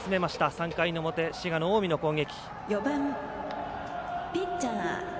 ３回の表、滋賀の近江の攻撃。